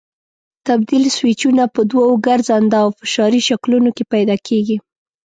تبدیل سویچونه په دوو ګرځنده او فشاري شکلونو کې پیدا کېږي.